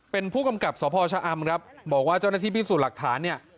เป็นผู้กำกับสพชะอำครับบอกว่าเจ้าหน้าที่พิสูจน์หลักฐานเนี่ย